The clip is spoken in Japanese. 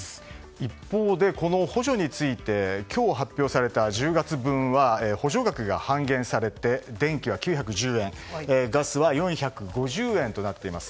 一方で、この補助について今日発表された１０月分は、補助額が半減されて電気は９１０円ガスは４５０円となっています。